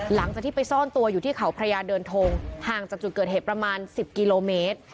หลังจากที่ไปซ่อนตัวอยู่ที่เขาพระยาเดินทงห่างจากจุดเกิดเหตุประมาณ๑๐กิโลเมตร